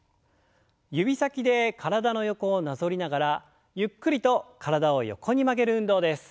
指先で体の横をなぞりながらゆっくりと体を横に曲げる運動です。